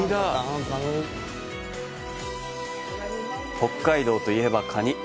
北海道といえばカニ！